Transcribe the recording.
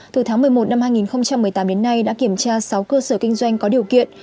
từ tháng một mươi một năm hai nghìn một mươi tám đến nay đã kiểm tra sáu cơ sở kinh doanh có điều kiện